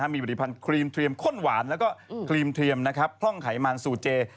มีผลิตภัณฑ์ครีมเทียมข้นหวานแล้วก็ครีมเทียมพร่องไขมันซูเจ